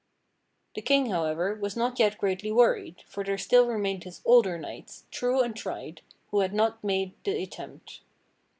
The King, however, was not yet greatly worried; for there still remained his older knights, true and tried, who had not made the attempt.